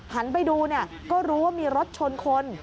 หันไปดูก็รู้ว่ามีรถชนคน